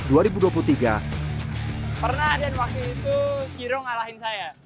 pernah ada yang waktu itu viro ngalahin saya